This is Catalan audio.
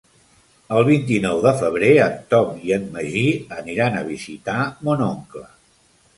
El vint-i-nou de febrer en Tom i en Magí aniran a visitar mon oncle.